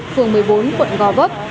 phường một mươi bốn quận gò vấp